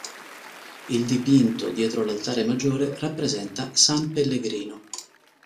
Il dipinto dietro l'altare maggiore rappresenta San Pellegrino.